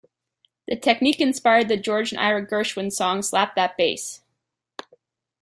The technique inspired the George and Ira Gershwin song "Slap That Bass".